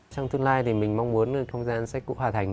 trong tương lai thì mình mong muốn trong không gian sách cũ hòa thành